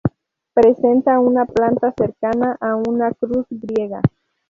Presenta una planta cercana a una cruz griega.